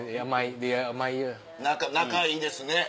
仲いいですね。